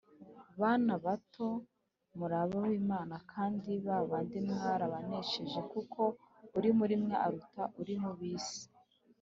Bana bato, muri ab’Imana kandi ba bandi mwarabanesheje, kuko uri muri mwe aruta uri mu b’isi.